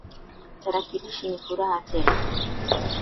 Tarakilishi ni furaha tele